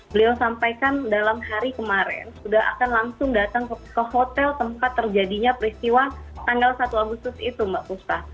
beliau sampaikan dalam hari kemarin sudah akan langsung datang ke hotel tempat terjadinya peristiwa tanggal satu agustus itu mbak puspa